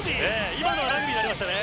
今のはラグビーになりましたね